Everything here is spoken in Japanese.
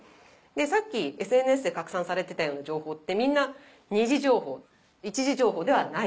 さっきＳＮＳで拡散されてたような情報ってみんな二次情報一次情報ではないわけですよ。